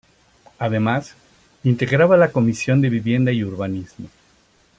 Además, integraba la Comisión de Vivienda y Urbanismo.